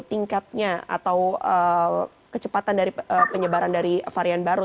tingkatnya atau kecepatan dari penyebaran dari varian baru